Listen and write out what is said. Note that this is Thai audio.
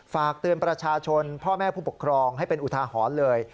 ฝากเตือนประชาชนพ่อแม่ผู้ปกครองให้เป็นอุทาหรณ์เลย